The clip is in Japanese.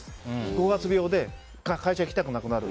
五月病で会社行きたくなくなる。